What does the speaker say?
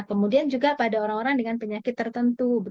kemudian juga pada orang orang dengan penyakit tertentu